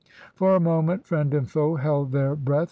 For a moment friend and foe held their breath.